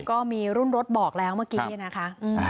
ก็มีรุ่นรถบอกแล้วเมื่อกี้นะคะ